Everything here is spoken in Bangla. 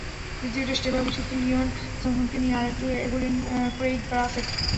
দ্বিতীয় টেস্টে এবার অভিষিক্ত লিওন জনসনকে নিয়ে আরেকটু এগোলেন ক্রেইগ ব্রাফেট।